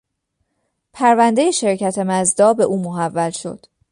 پروندهی شرکت مزدا به او محول شد.